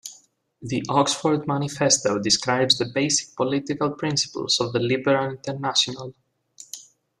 The Oxford Manifesto describes the basic political principles of the Liberal International.